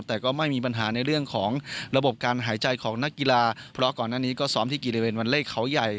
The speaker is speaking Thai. แต่ก็ไม่มีปัญหาในเรื่องของระบบการหายใจของนักกีฬาเพราะก่อนหน้านี้ก็ซ้อมที่กิริเวณวันเลขเขาใหญ่